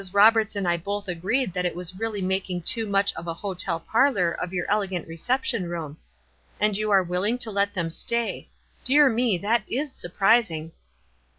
Roberts and I both agreed that it was really making too much of a hotel parlor of your ele gant reception room. And you are willing to let them stay ! Dear me, that is surprising